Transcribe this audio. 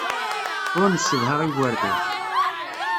Ur nessedha igerdan.